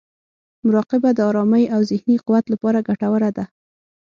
مراقبه د ارامۍ او ذهني قوت لپاره ګټوره ده.